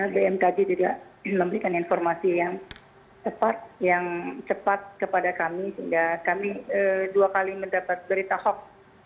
bmkg juga memberikan informasi yang tepat yang cepat kepada kami sehingga kami dua kali mendapat berita hoax